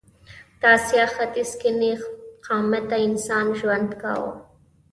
د اسیا ختیځ کې نېغ قامته انسان ژوند کاوه.